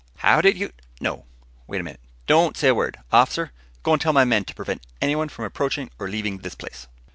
"How did you ... no! Wait a minute. Don't say a word. Officer, go and tell my men to prevent anyone from approaching or leaving this place."